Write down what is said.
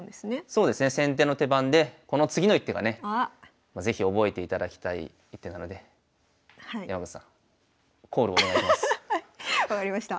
そうですね先手の手番でこの次の一手がね是非覚えていただきたい一手なので分かりました。